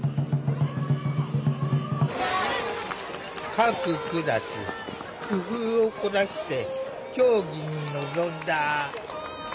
各クラス工夫を凝らして競技に臨んだ。